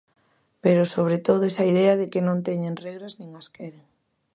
Pero sobre todo esa idea de que non teñen regras nin as queren.